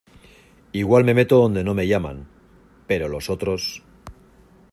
igual me meto donde no me llaman, pero los otros